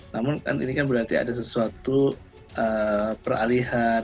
namun kan ini kan berarti ada sesuatu peralihan